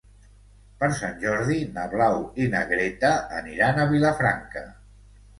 Per Sant Jordi na Blau i na Greta aniran a Vilafranca.